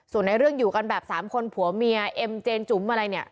ส่วนในเรื่องอยู่กันแบบสามคนผัวเมียเอ็มเจนจุ๋มอะไรเนี่ย